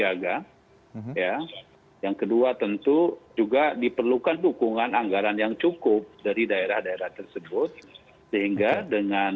sehingga dengan bnpb ya kita bisa memiliki daerah daerah yang cukup dan juga diperlukan dukungan anggaran yang cukup dari daerah daerah tersebut sehingga dengan bnpb